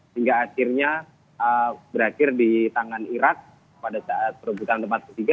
hingga akhirnya berakhir di tangan irak pada saat perebutan tempat ketiga